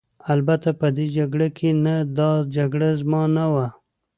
البته په دې جګړه کې نه، دا جګړه زما نه وه.